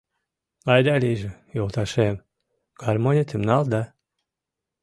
Айда-лийже, йолташем, гармонетым нал да